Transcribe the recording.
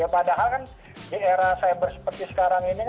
padahal kan di era cyber seperti sekarang ini